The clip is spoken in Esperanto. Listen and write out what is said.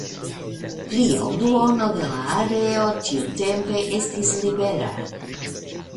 Pli ol duono de la areo tiutempe estis libera.